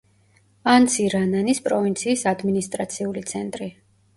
ანცირანანის პროვინციის ადმინისტრაციული ცენტრი.